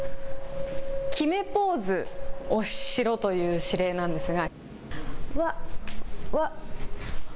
決めポーズをしろという指令なんですが。